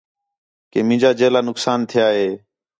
کہ مینجا جیلا نقصان تِھیا ہے